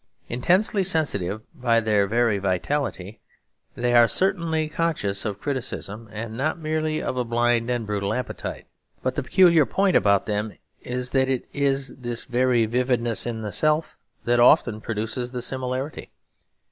Intensely sensitive by their very vitality, they are certainly conscious of criticism and not merely of a blind and brutal appetite. But the peculiar point about them is that it is this very vividness in the self that often produces the similarity.